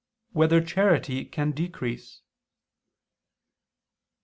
10] Whether Charity Can Decrease?